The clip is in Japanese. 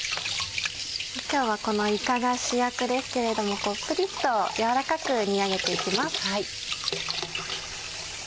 今日はこのいかが主役ですけれどもプリっと軟らかく煮上げて行きます。